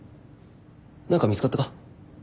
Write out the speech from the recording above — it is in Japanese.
何か見つかったか？